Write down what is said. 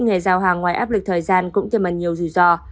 nghề giao hàng ngoài áp lực thời gian cũng thêm mần nhiều rủi ro